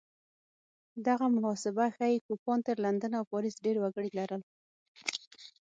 دغه محاسبه ښيي کوپان تر لندن او پاریس ډېر وګړي لرل